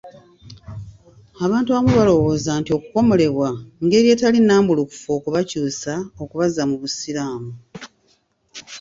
Abantu abamu balowooza nti okukomolebwa ngeri etali nnambulukufu okubakyusa okubazza mu busiraamu.